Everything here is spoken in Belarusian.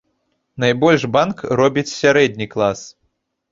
Найбольш банк робіць сярэдні клас.